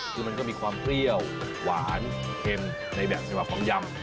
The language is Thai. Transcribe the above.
คือมันก็มีความเปรี้ยวหวานเค็มในแบบฉบับของยำ